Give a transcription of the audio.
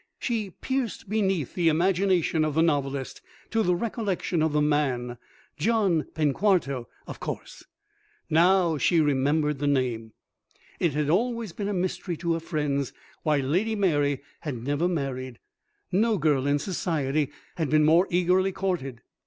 She pierced beneath the imagination of the novelist to the recollection of the man. John Penquarto of course! Now she remembered the name. It had always been a mystery to her friends why Lady Mary had never married. No girl in Society had been more eagerly courted.